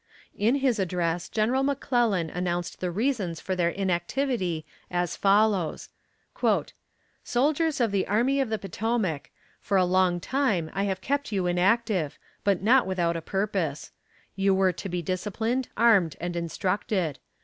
In his address General McClellan announced the reasons for their inactivity as follows: "Soldiers of the Army of the Potomac: For a long time I have kept you inactive, but not without a purpose. You were to be disciplined, armed and instructed.